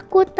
aku takut pa